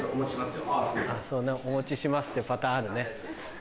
そうねお持ちしますってパターンあるね。